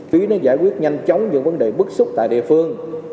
phía nó giải quyết nhanh chóng những vấn đề bức xúc tại địa phương